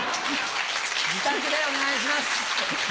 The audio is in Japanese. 自宅でお願いします！